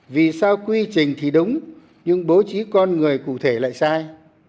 vì sao quy trình thì đúng nhưng bố trí con người cụ thể lại sai